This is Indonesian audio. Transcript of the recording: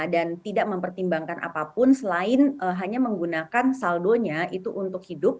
dan tidak mempertimbangkan apapun selain hanya menggunakan saldonya itu untuk hidup